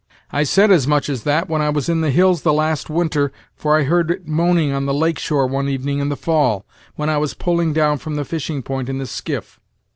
I said as much as that it was in the hills the last winter for I heard it moaning on the lake shore one evening in the fall, when I was pulling down from the fishing point in the skiff.